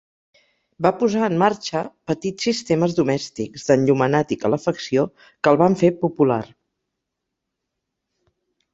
Va posar en marxa petits sistemes domèstics d'enllumenat i calefacció que el van fer popular.